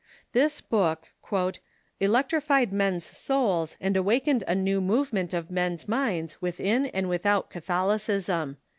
This book " electrified men's souls and awakened a new movement of men's minds within and without Catholi cism."